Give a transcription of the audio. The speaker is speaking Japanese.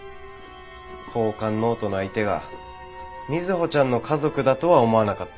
交換ノートの相手が瑞穂ちゃんの家族だとは思わなかった。